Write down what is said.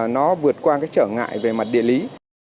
nó vượt qua cái trở ngại về mặt địa lý